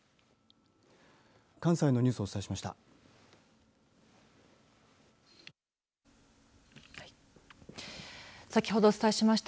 関西のニュースをお伝えしました。